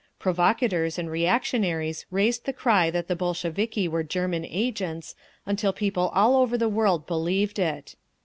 Provocators and reactionaries raised the cry that the Bolsheviki were German agents, until people all over the world believed it.